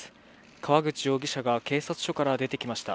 川口容疑者が警察署から出てきました。